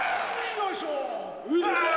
よいしょー！